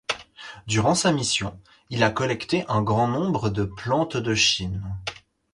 Durant sa mission, il a collecté un grand nombre de plantes de Chine.